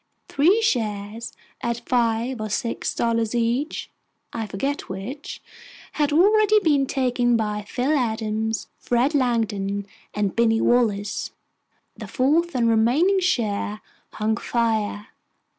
Three shares, at five or six dollars each, I forget which, had already been taken by Phil Adams, Fred Langdon, and Binny Wallace. The fourth and remaining share hung fire.